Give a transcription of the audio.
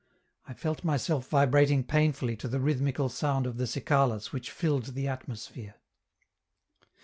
I felt myself vibrating painfully to the rhythmical sound of the cicalas which filled the atmosphere.